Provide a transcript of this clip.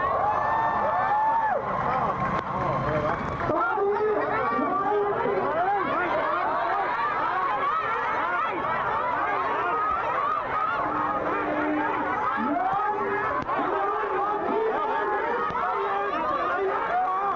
การรับครับช่วยบอกคุณชนถอยดินด้วยครับ